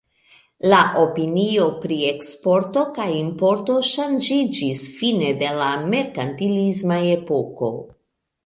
La opinio pri eksporto kaj importo ŝanĝiĝis fine de la merkantilisma epoko.